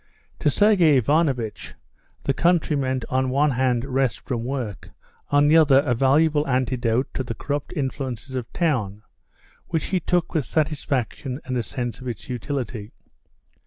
To Sergey Ivanovitch the country meant on one hand rest from work, on the other a valuable antidote to the corrupt influences of town, which he took with satisfaction and a sense of its utility.